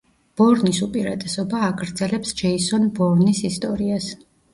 ბორნის უპირატესობა აგრძელებს ჯეისონ ბორნის ისტორიას.